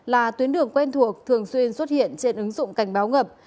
là tuyến đường quen thuộc thường xuyên xuất hiện trên ứng dụng cảnh báo ngập